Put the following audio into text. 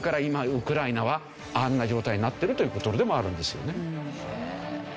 今ウクライナはあんな状態になってるという事でもあるんですよね。